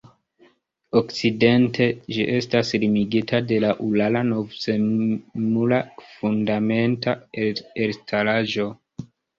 Okcidente ĝi estas limigita de la Urala-Novzemla fundamenta elstaraĵo.